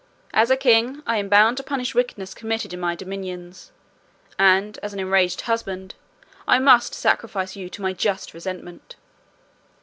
As a king, I am bound to punish wickedness committed in my dominions; and as an enraged husband, I must sacrifice you to my just resentment."